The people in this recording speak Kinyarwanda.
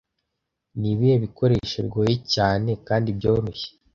Nibihe bikoresho bigoye cyane kandi byoroshye